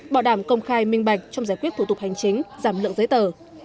bảo đảm công khai minh bạch trong giải quyết thủ tục hành chính giảm lượng giấy tờ